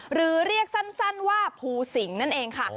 หรือเรียกสั้นว่าภูสิงนั่นเองค่ะ